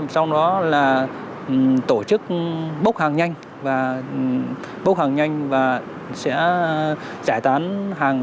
sau đó là tổ chức bốc hàng nhanh và sẽ giải tán hàng